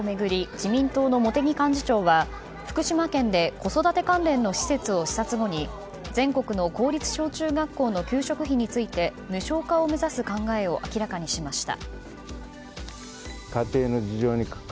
自民党の茂木幹事長は福島県で子育て関連の施設を視察後に全国の公立小中学校の給食費について無償化を目指す考えを明らかにしました。